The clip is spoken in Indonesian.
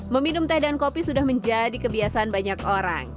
meminum teh dan kopi sudah menjadi kebiasaan banyak orang